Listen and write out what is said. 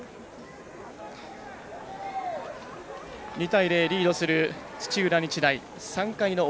２対０リードする、土浦日大。